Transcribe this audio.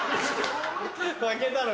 負けたの？